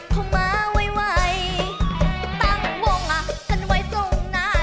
เขามาไวตั้งวงฉันไว้ตรงหน้า